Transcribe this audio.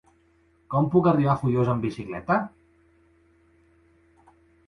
Com puc arribar a Foios amb bicicleta?